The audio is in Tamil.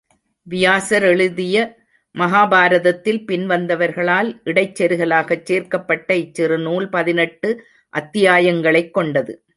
வியாசர் எழுதிய மகாபாரதத்தில் பின்வந்தவர்களால் இடைச்செருகலாகச் சேர்க்கப்பட்ட இச்சிறு நூல் பதினெட்டு அத்தியாயங்களைக் கொண்டது.